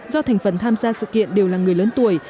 do thành phần tham gia sự kiện đều là người lớn tuổi